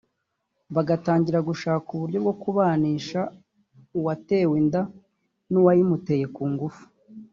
bagatangira gushaka uburyo bwo kubanisha uwatewe inda n’uwayimuteye ku ngufu